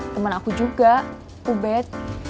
temen aku juga ubed